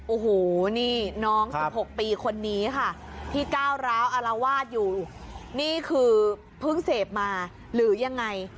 โอ้โหนี่น้อง๑๖ปีคนนี้ค่ะที่ก้าวร้าวอารวาสอยู่นี่คือเพิ่งเสพมาหรือยังไง